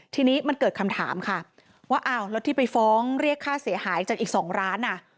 ทีนี้มันเกิดคำถามค่ะว่าอ้าวแล้วที่ไปฟ้องเรียกค่าเสียหายจากอีก๒ล้านอ่ะ